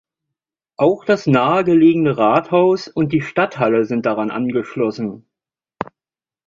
Auch das nahe gelegene Rathaus und die Stadthalle sind daran angeschlossen.